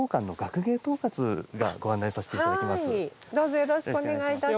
ここからはどうぞよろしくお願いいたします。